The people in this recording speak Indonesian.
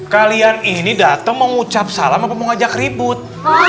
kalian ini datang mengucap salam apa mau ngajak ribut